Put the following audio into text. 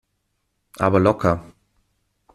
Aber locker!